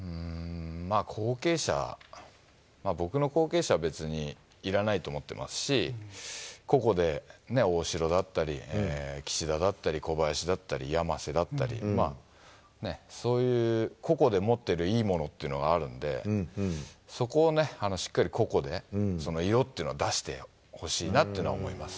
後継者、僕の後継者は別にいらないと思ってますし、個々でね、大城だったり、岸田だったり、小林だったり、山瀬だったり、そういう個々で持ってるいいものっていうのがあるんで、そこをしっかり個々で色っていうのは出してほしいなっていうのは思います。